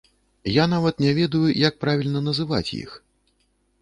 Я нават не ведаю, як правільна называць іх.